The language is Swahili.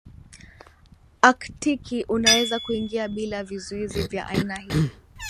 Aktiki unaweza kuingia bila vizuizi vya aina hii